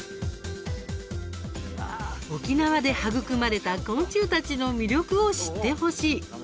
沖縄で育まれた昆虫たちの魅力を知ってほしい！